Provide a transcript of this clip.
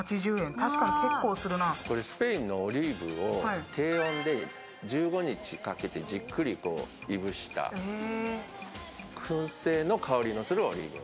スペインのオリーブを低温で１５日かけてじっくりといぶしたくん製の香りのするオリーブ。